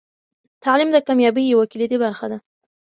تعلیم د کامیابۍ یوه کلیدي برخه ده.